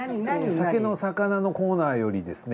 酒の肴のコーナーよりですね。